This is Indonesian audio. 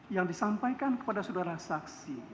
yang disampaikan kepada saudara saksi